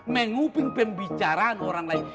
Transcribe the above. mengubing pembicaraan orang lain